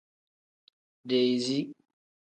Dezii.